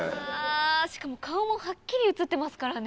しかも顔もハッキリ写ってますからね。